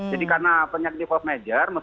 jadi karena penyakit force major